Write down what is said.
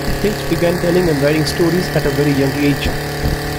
Finch began telling and writing stories at a very young age.